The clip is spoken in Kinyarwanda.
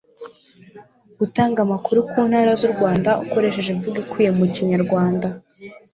gutanga amakuru ku ntara z'u rwanda ukoresheje imvugo ikwiriye mu kinyarwanda